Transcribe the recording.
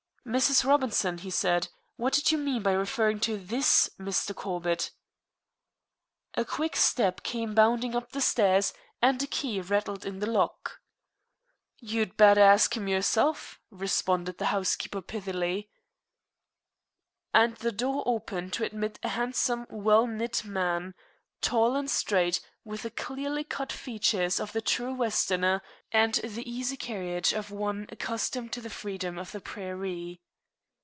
"Mrs. Robinson," he said, "what did you mean by referring to this Mr. Corbett?" A quick step came bounding up the stairs, and a key rattled in the lock. "You'd betther ax him yerself," responded the housekeeper pithily, and the door opened to admit a handsome, well knit man, tall and straight, with the clearly cut features of the true Westerner, and the easy carriage of one accustomed to the freedom of the prairie.